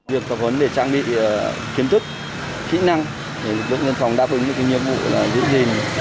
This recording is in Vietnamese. việc tập huấn để trang bị kiến thức khí năng để lực lượng nhân phòng đáp ứng những nhiệm vụ diễn diện